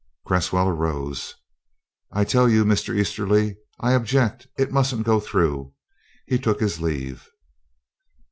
Cresswell arose. "I tell you, Mr. Easterly, I object it mustn't go through." He took his leave.